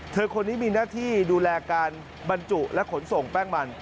คนนี้มีหน้าที่ดูแลการบรรจุและขนส่งแป้งมัน